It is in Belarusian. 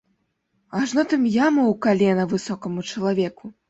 Ажно там яма ў калена высокаму чалавеку.